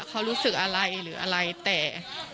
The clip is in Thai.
เขารู้สึกอะไรหรืออะไรแต่